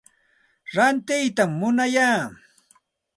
Rantiytam munaya.